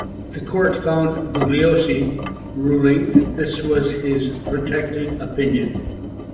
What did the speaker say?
The court found for Bugliosi, ruling that this was his protected opinion.